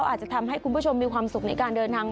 อาจจะทำให้คุณผู้ชมมีความสุขในการเดินทาง